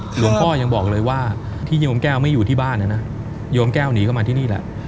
หลวงพ่อยังบอกเลยว่าที่โยมแก้วไม่อยู่ที่บ้านนะนะโยมแก้วหนีเข้ามาที่นี่แหละ